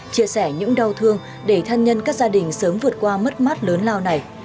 chia sẻ những đau thương để thân nhân các gia đình sớm vượt qua mất mắt lớn lao nảy